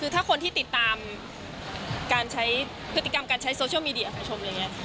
ถ้าคนที่ติดตามการใช้พฤติกรรมการใช้โซเชียลมีเดียของชมอย่างเงี้ย